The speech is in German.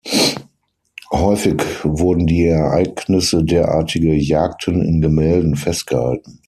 Häufig wurden die Ereignisse derartiger Jagden in Gemälden festgehalten.